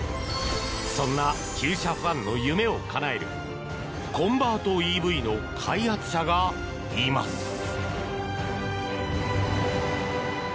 そんな旧車ファンの夢をかなえるコンバートＥＶの開発者がいます。